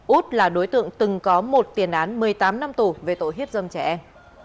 út là đối tượng từng có một tiền án một mươi tám năm tù về tội hiếp dâm trẻ em